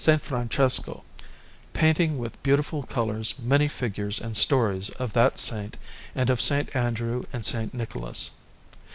Francesco, painting with beautiful colours many figures and stories of that Saint and of S. Andrew and S. Nicholas.